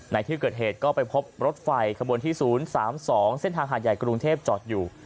ในที่เกิดเหตุก็ไปพบรถไฟขบวนที่๐๓๒เส้นทางหาดใหญ่กรุงเทพจอดอยู่